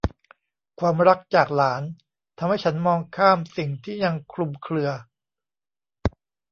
ความรักจากหลาน ทำให้ฉันมองข้ามสิ่งที่ยังคลุมเคลือ